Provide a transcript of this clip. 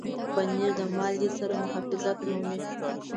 پنېر د مالګې سره محافظت مومي.